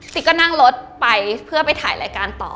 ก็นั่งรถไปเพื่อไปถ่ายรายการต่อ